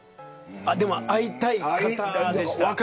でも会いたい方でした。